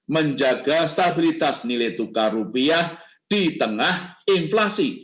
menjaga stabilitas nilai tukar rupiah di tengah inflasi